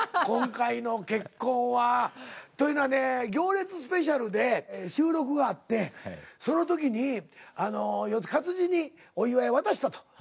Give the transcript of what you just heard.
今回の結婚は。というのはね「行列スペシャル」で収録があってその時に勝地にお祝い渡したと。